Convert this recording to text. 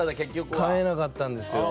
飼えなかったんですよ。